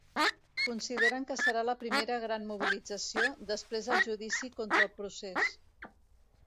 Consideren que serà la primera gran mobilització després del judici contra el procés.